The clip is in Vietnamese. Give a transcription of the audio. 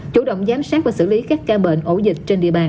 chủ động giám sát và xử lý các ca bệnh ổ dịch trên địa bàn